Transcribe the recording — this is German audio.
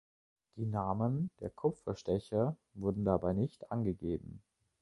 Die Namen der Kupferstecher wurden dabei nicht angegeben.